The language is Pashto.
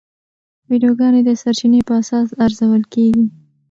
ویډیوګانې د سرچینې په اساس ارزول کېږي.